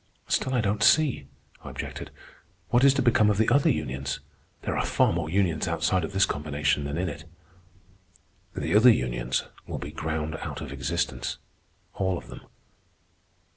"Still I don't see," I objected. "What is to become of the other unions? There are far more unions outside of this combination than in it." "The other unions will be ground out of existence—all of them.